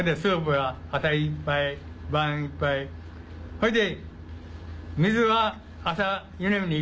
ほいで。